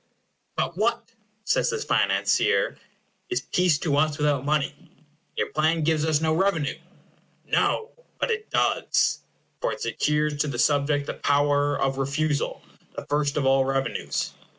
But what, says the financier, is peace to us without money? Your plan gives us no revenue. No! But it does; for it secures to the subject the power or refusal, the first of all revenues.